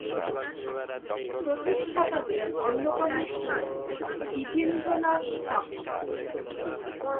প্রতিষ্ঠাতাদের অন্যতম ছিলেন দ্বিজেন্দ্রনাথ ঠাকুর।